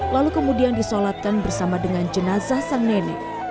lalu kemudian disolatkan bersama dengan jenazah sang nenek